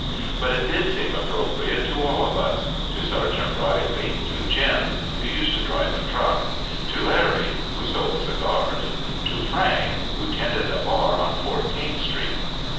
But it did seem appropriate to all of us to Sergeant Reilly, to Jim (who used to drive a truck), to Larry (who sold cigars), to Frank (who tended a bar on Fourteenth Street).